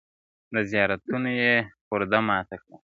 د زيارتـونو يې خورده ماتـه كـړه.